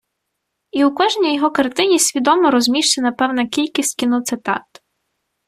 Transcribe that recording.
І у кожній його картині свідомо розміщена певна кількість кіноцитат.